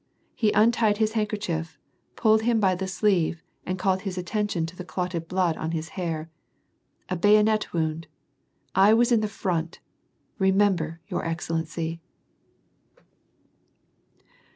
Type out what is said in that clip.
He untied his handkerchief, pulled him by the sleeve, and called his attention to the clotted blood on his hair, —" A bayonet wound ; I was in the front. Remember, your excellency